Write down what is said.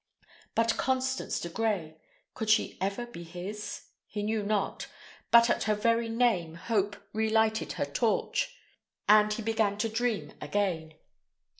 But Constance de Grey could she ever be his? He knew not; but at her very name Hope relighted her torch, and he began to dream again.